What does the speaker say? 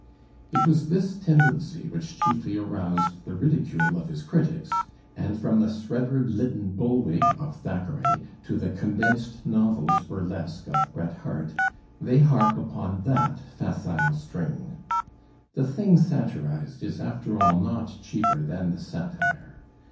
It was this tendency which chiefly aroused the ridicule of his critics, and from the 'Sredwardlyttonbulwig' of Thackeray to the 'Condensed Novels' burlesque of Bret Harte, they harp upon that facile string, The thing satirized is after all not cheaper than the satire.